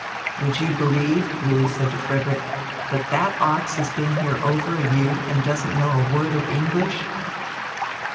"Would you believe," Willy said to Frederick, "that that ox has been here over a year and doesn't know a word of English?"